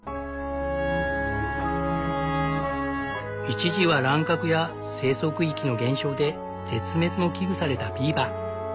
一時は乱獲や生息域の減少で絶滅も危惧されたビーバー。